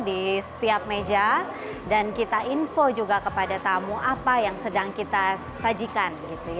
di setiap meja dan kita info juga kepada tamu apa yang sedang kita sajikan